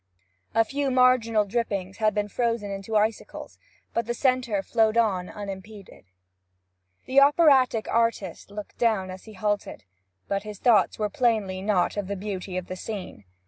A few marginal drippings had been frozen into icicles, but the centre flowed on unimpeded. The operatic artist looked down as he halted, but his thoughts were plainly not of the beauty of the scene.